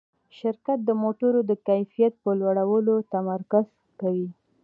شرکت د موټرو د کیفیت په لوړولو تمرکز کوي.